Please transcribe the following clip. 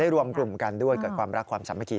ได้รวมกลุ่มกันด้วยกับความรักความสำคัญด้วย